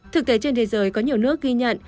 thực tế trên thế giới có nhiều nước ghi nhận